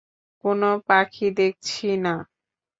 কোনো পাখি দেখছি না।